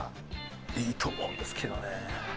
いいと思うんですけどね。